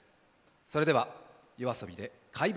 それではＹＯＡＳＯＢＩで「怪物」